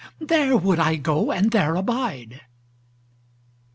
There would I go and there abide."